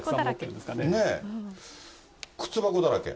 靴箱だらけ。